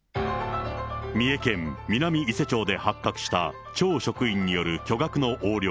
三重県南伊勢町で発覚した町職員による巨額の横領。